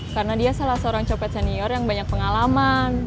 karena dia salah seorang copet senior yang banyak pengalaman